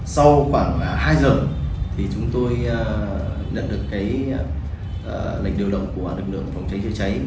sau khoảng hai giờ thì chúng tôi nhận được lệnh điều động của lực lượng phòng cháy chữa cháy